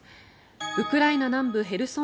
ウクライナ南部ヘルソン